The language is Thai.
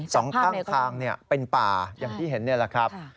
สองข้างทางเป็นป่าอย่างที่เห็นนี่แหละครับ